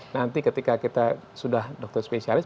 nanti ketika kita sudah dokter spesialis